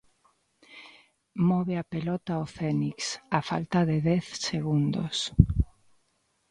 Move a pelota o Fénix, a falta de dez segundos.